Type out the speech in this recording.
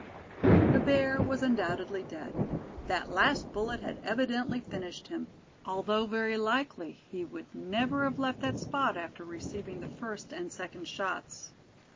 The bear was undoubtedly dead. That last bullet had evidently finished him, although very likely he would never have left that spot after receiving the first and second shots.